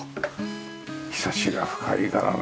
ひさしが深いからね